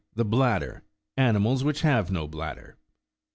THE BLADDER : ANIMALS WHICH HAVE NO BLADBEB.